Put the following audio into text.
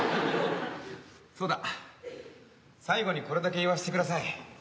そうだ最後にこれだけ言わしてください。